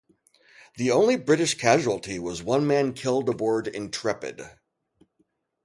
The only British casualty was one man killed aboard "Intrepid".